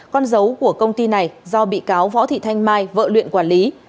con dấu của công ty này do bị cáo võ thị thanh mai vợ luyện quản lý